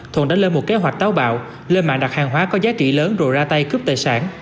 thuận đã lên một kế hoạch táo bạo lên mạng đặt hàng hóa có giá trị lớn rồi ra tay cướp tài sản